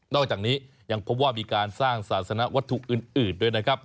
อกจากนี้ยังพบว่ามีการสร้างศาสนวัตถุอื่นด้วยนะครับ